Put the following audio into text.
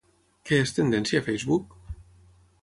Què és tendència a Facebook?